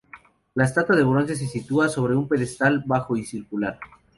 La estatua de bronce se sitúa sobre un pedestal bajo y circular.